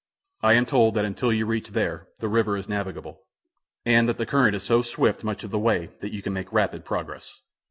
I am told that until you reach there the river is navigable, and that the current is so swift much of the way that you can make rapid progress.